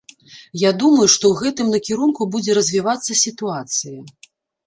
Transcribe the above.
Я думаю, што ў гэтым накірунку будзе развівацца сітуацыя.